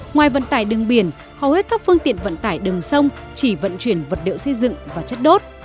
ngoài vận tải đường biển hầu hết các phương tiện vận tải đường sông chỉ vận chuyển vật liệu xây dựng và chất đốt